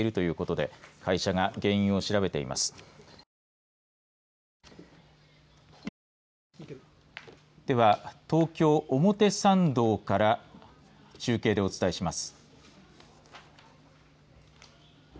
では東京、表参道から中継でお伝えします。